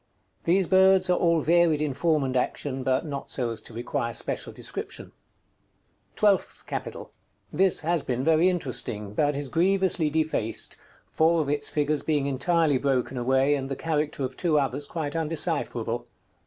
These birds are all varied in form and action, but not so as to require special description. § XCV. TWELFTH CAPITAL. This has been very interesting, but is grievously defaced, four of its figures being entirely broken away, and the character of two others quite undecipherable.